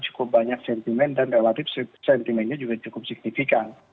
cukup banyak sentimen dan relatif sentimennya juga cukup signifikan